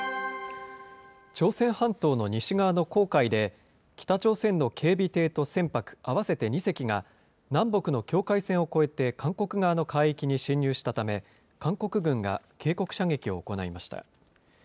朝鮮半島の西側の黄海で、北朝鮮の警備艇と船舶、合わせて２隻が南北の境界線を越えて、韓国側の海域に侵入したため、韓国軍が警告射撃を行いました。